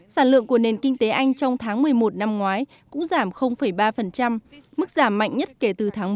sản lượng của nền kinh tế anh trong tháng một mươi một năm ngoái cũng giảm ba mức giảm mạnh nhất kể từ tháng bốn năm hai nghìn một mươi chín